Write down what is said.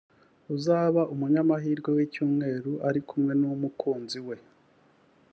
uzaba umunyamahirwe w’icyumweru ari kumwe n’umukunzi we